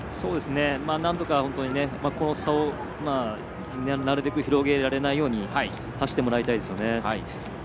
なんとか、この差をなるべく広げられないように走ってもらいたいですよね。